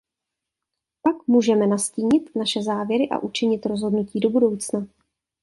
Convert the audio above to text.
Pak můžeme nastínit naše závěry a učinit rozhodnutí do budoucna.